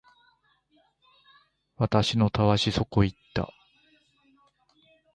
私のたわしそこ行った